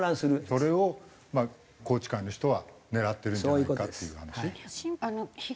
それを宏池会の人は狙ってるんじゃないかっていう話。